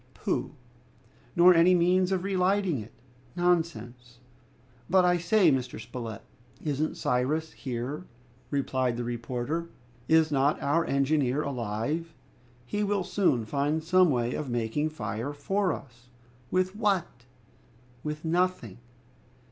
"Pooh!" "Nor any means of relighting it!" "Nonsense!" "But I say, Mr. Spilett " "Isn't Cyrus here?" replied the reporter. "Is not our engineer alive? He will soon find some way of making fire for us!" "With what?" "With nothing."